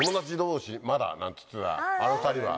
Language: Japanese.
なんつってたあの２人は。